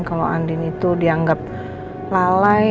kalau andin itu dianggap lalai